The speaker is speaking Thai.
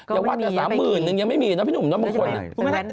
แต่ว่าแต่๓๐๐๐๐บาทหนึ่งยังไม่มีนะพี่หนุ่มน้ำมะขวดนี่ก็ไม่มียังไปกี่